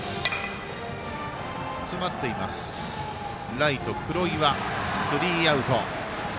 ライト、黒岩、スリーアウト。